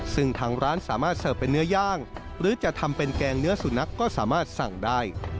ซึ่งทางร้านสามารถเสิร์ฟเป็นเนื้อย่างหรือจะทำเป็นแกงเนื้อสุนัขก็สามารถสั่งได้